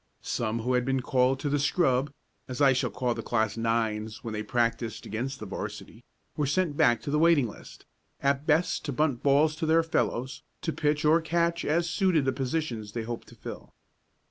Some who had been called to the "scrub," as I shall call the class nines when they practiced against the 'varsity, were sent back to the waiting list at best to bunt balls to their fellows, to pitch or catch as suited the positions they hoped to fill.